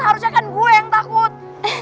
harusnya kan gue yang takut